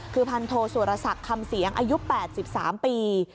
คือพันโทสุรษักคได์เข็มคำเสียงอายุ๘๓ปี